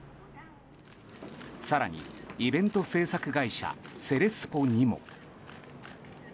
更に、イベント制作会社セレスポにも。